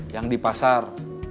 yang di pasar